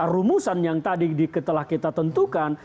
rumusan yang tadi telah kita tentukan